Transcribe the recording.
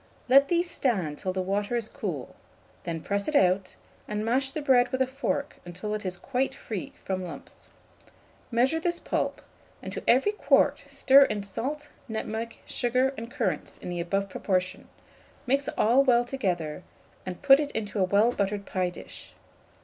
Let these stand till the water is cool; then press it out, and mash the bread with a fork until it is quite free from lumps. Measure this pulp, and to every quart stir in salt, nutmeg, sugar, and currants in the above proportion; mix all well together, and put it into a well buttered pie dish.